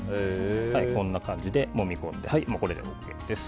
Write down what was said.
こんな感じでもみ込んでＯＫです。